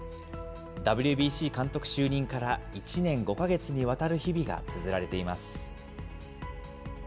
ＷＢＣ監督就任から１年５か月にわたる日々がつづられています。